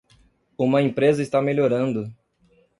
Uma empresa está melhorando